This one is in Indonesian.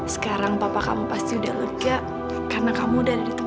sekarang papa kamu pasti udah lega karena kamu udah ada di tempat